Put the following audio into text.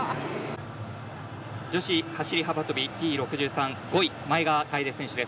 女子走り幅跳びＴ６３５位、前川楓選手です。